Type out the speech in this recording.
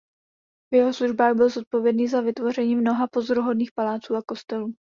V jeho službách byl zodpovědný za vytvoření mnoha pozoruhodných paláců a kostelů.